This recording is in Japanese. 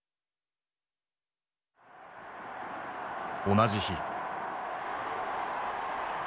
同じ日。